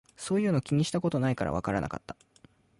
そういうの気にしたことないからわからなかった